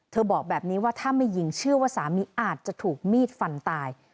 บอกแบบนี้ว่าถ้าไม่ยิงเชื่อว่าสามีอาจจะถูกมีดฟันตาย